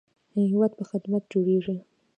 هیواد په خدمت جوړیږي